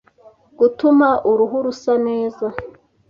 Gutuma uruhu rusa neza